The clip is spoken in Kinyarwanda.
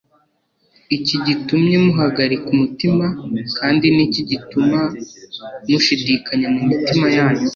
iki gitumye muhagarika umutima kandi ni iki gituma mushidikanya mu mitima yanyu